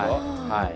はい。